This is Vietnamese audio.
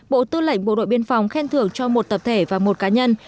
bộ tư lệnh bộ đội biên phòng khen thưởng cho một tập thể và một cá nhân